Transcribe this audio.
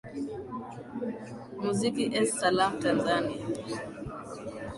muziki es salam tanzania